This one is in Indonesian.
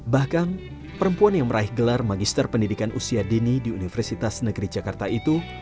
bahkan perempuan yang meraih gelar magister pendidikan usia dini di universitas negeri jakarta itu